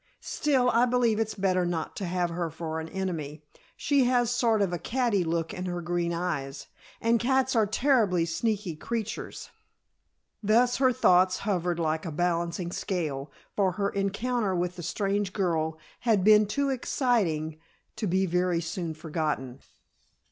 "Still, I believe it's better not to have her for an enemy. She has sort of a catty look in her green eyes, and cats are terribly sneaky creatures." Thus her thoughts hovered, like a balancing scale, for her encounter with the strange girl had been too exciting to be very soon forgotten.